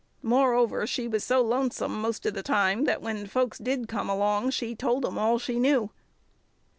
Moreover, she was "so lonesome most of the time that when folks did come along she told 'em all she knew."